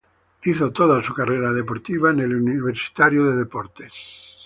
Hizo toda su carrera deportiva en Universitario de Deportes.